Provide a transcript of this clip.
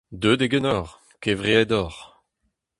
Deuet eo ganeoc'h : kevreet oc'h !